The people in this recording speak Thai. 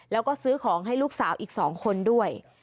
แล้วก็ซื้อของให้ลูกสาวอีก๒คนด้วย